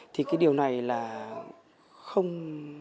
thì cái điều này là không